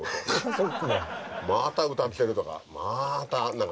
また歌ってるとか。